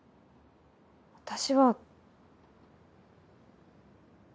私は。